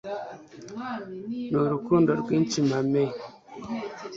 n'urukundo rwinshi mame